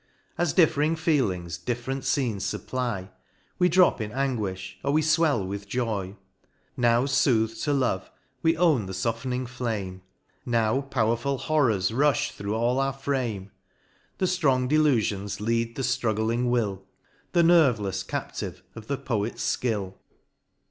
As differing feelings different fcenes fupply, We droop in anguifh, or we fwell with joy : Now footh'd to love, we own the foftening flame ; Now pow'rful horrors rufh thro' all our frame ; The ftrong dclufions lead the ftruggling will, The nervelefs captive of the Poet's fkill.